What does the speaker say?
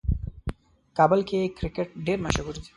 کابل کې کرکټ ډېر مشهور دی.